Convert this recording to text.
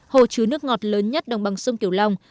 hồ chứa nước ngọt lớn nhất đồng bằng sông kiểu long